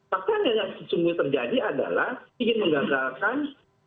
tapi yang terjadi adalah ingin menggagalkan